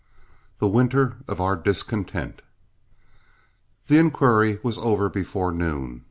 THE WINTER OF OUR DISCONTENT The inquiry was over before noon.